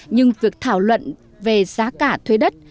nhưng việc thảo luận về giá cả thuê đất